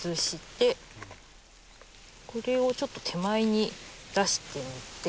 これをちょっと手前に出してみて。